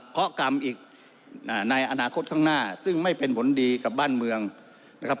เพราะกรรมอีกในอนาคตข้างหน้าซึ่งไม่เป็นผลดีกับบ้านเมืองนะครับ